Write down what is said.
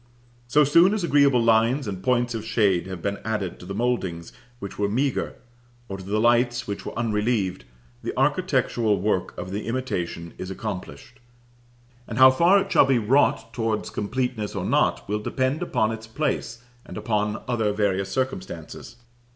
So soon as agreeable lines and points of shade have been added to the mouldings which were meagre, or to the lights which were unrelieved, the architectural work of the imitation is accomplished; and how far it shall be wrought towards completeness or not, will depend upon its place, and upon other various circumstances.